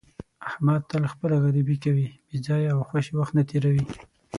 احمد تل خپله غریبي کوي، بې ځایه او خوشې وخت نه تېروي.